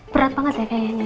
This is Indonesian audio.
berat banget ya kayaknya